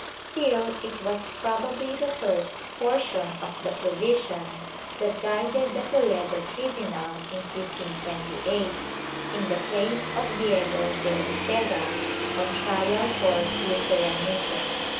^ Still, it was probably the first portion of the provision that guided the Toledo tribunal, in 1528, in the case of Diego de Uceda, on trial for Lutheranism.